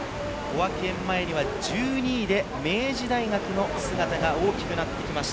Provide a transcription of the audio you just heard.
１２位で明治大学の姿が大きくなってきました。